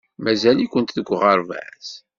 Mazal-ikent deg uɣerbaz?